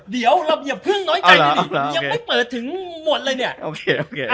เดี๋ยวเราอย่าเพิ่งน้อยใจเลยดิยังไม่เปิดถึงหมดเลยเนี่ยโอเคโอเค